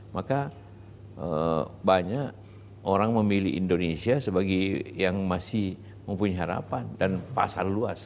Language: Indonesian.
maka banyak orang memilih indonesia sebagai yang masih mempunyai harapan dan pasar luas